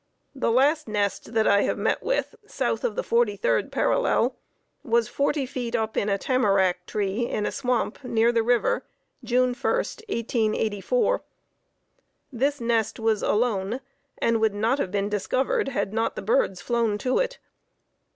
The last nest that I have met with south of the forty third parallel was forty feet up in a tamarack tree in a swamp near the river, June 1, 1884. This nest was alone and would not have been discovered had not the birds flown to it.